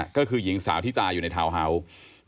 ก็คือหญิงสาวที่ตายอยู่ในทาวน์ฮาวส์